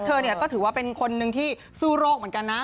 เธอเนี่ยก็ถือว่าเป็นคนหนึ่งที่สู้โรคเหมือนกันนะ